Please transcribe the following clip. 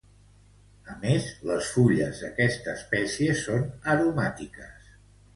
A més, les fulles d'aquesta espècie són aromàtiques.